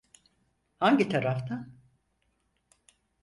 Hangi taraftan?